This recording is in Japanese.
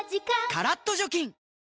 カラッと除菌